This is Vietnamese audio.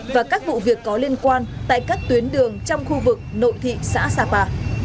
và các vụ việc có liên quan tại các tuyến đường trong khu vực nội thị xã sapa